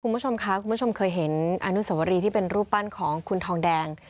คุณผู้ชมค่ะคุณผู้ชมเคยเห็นอนุสวรีที่เป็นรูปปั้นของคุณทองแดง